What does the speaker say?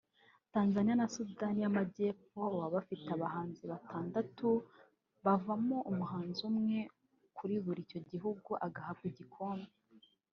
Tanzania na Sudani y’Amajyepfo baba bafite abahanzi batandatu bavamo umuhanzi umwe kuri buri gihugu uhabwa icyo gikombe